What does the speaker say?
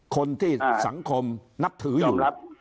คนที่สังคมนับถืออยู่